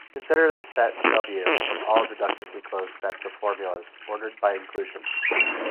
Consider the set "W" of all deductively closed sets of formulas, ordered by inclusion.